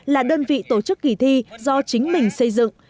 là đơn vị tổ chức kỳ thi do chính mình xây dựng